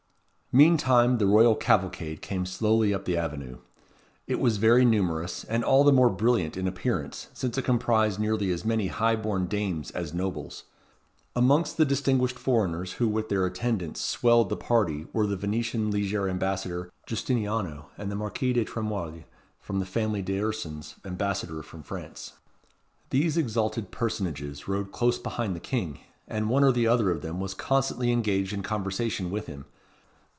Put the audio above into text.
Meantime the royal cavalcade came slowly up the avenue. It was very numerous, and all the more brilliant in appearance, since it comprised nearly as many high born dames as nobles. Amongst the distinguished foreigners who with their attendants swelled the party were the Venetian lieger ambassador Giustiniano, and the Marquis de Tremouille, of the family des Ursins, ambassador from France. These exalted personages rode close behind the King, and one or the other of them was constantly engaged in conversation with him.